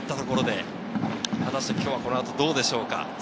果たして今日はこの後どうでしょうか？